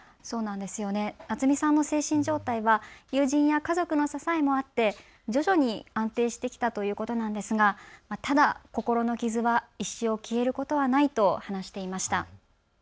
ナツミさんの精神状態は友人や家族の支えもあって徐々に安定してきたということなんですが、ただ心の傷は一生消えることはないと話していました。